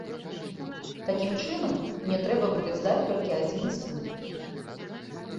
Такім чынам мне трэба будзе здаць толькі адзін іспыт.